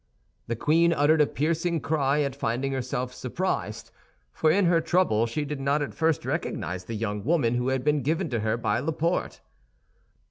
The queen uttered a piercing cry at finding herself surprised—for in her trouble she did not at first recognize the young woman who had been given to her by Laporte.